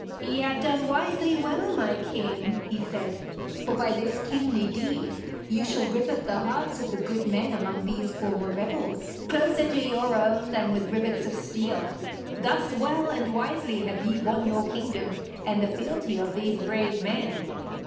'Ye have done wisely well, my king,' he said. 'For by this kingly deed you shall rivet the hearts of the good men among these former rebels closer to your own than with rivets of steel. Thus well and wisely have ye won your kingdom and the fealty of these brave men.'